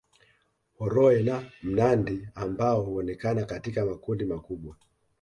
Horoe na mnandi ambao huonekana katika makundi makubwa